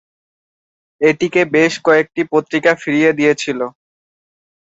এটিকে বেশ কয়েকটি পত্রিকা ফিরিয়ে দিয়েছিল।